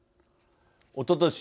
おととし